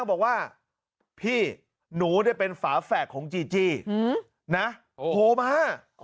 บอกว่าพี่หนูเนี่ยเป็นฝาแฝดของจีจี้นะโทรมา